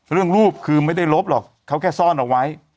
เรื่องรูปคือไม่ได้รบหรอกเค้าแค่ซ่อนออกไว้